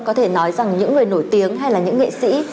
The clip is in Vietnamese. có thể nói rằng những người nổi tiếng hay là những nghệ sĩ